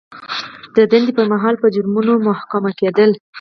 د دندې پر مهال په جرمونو محکوم کیدل.